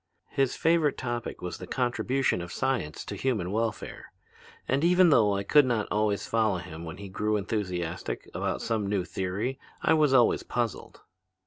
His favorite topic was the contribution of science to human welfare. And even though I could not always follow him when he grew enthusiastic about some new theory I was always puzzled.